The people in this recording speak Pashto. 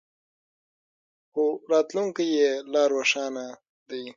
خو راتلونکی یې لا روښانه دی.